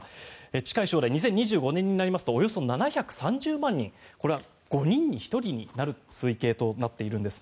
近い将来２０２５年になりますとおよそ７３０万人これは５人に１人になる推計となっているんです。